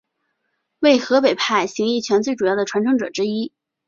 为河北派形意拳最主要的传承者之一。